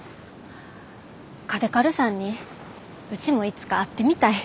嘉手刈さんにうちもいつか会ってみたい。